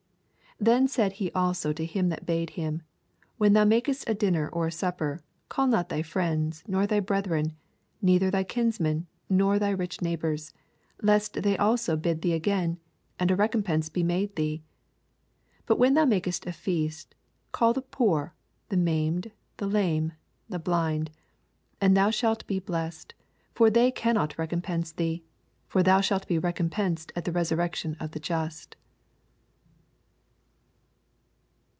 12 Then said he also to him that bade him, When thou makest a din ner or a supper, call not thy friends, nor thy brethren, neither thy kinij mon, nor tht^ rich neighbors ; lest they also bid thee again, and a re compence be made thee. 13 But when thou makest a feast, call the poor, the maimed, the lame, the blind : H And thou shalt be blessed ; for they cannot recompense thee : for thou shalt be recompensed at the resurrection of the just.